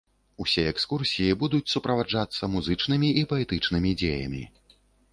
Усе экскурсіі будуць суправаджацца музычнымі і паэтычнымі дзеямі.